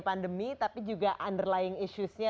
pandemi tapi juga underlying issues nya